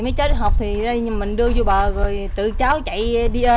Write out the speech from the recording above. mấy cháu đi học thì mình đưa vô bờ rồi tự cháu chạy đi ơn à chiều khi mình gước về